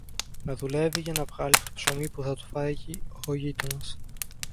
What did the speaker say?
να δουλεύει για να βγάλει το ψωμί που θα του φάγει ο γείτονας.